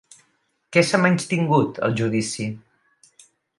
Què s'ha menystingut al judici?